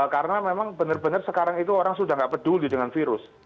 karena memang benar benar sekarang itu orang sudah nggak peduli dengan virus